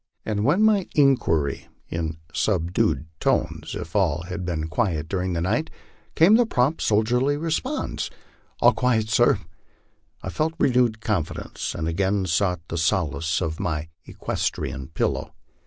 And when to my inquiry, in subdued tones, if all had been quiet during the night, came the prompt, soldierly response, "All quiet, sir, 11 I felt renewed confidence, and again sought the solace of my eques trian pillow.